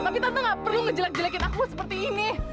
tapi tante gak perlu ngejelekin aku seperti ini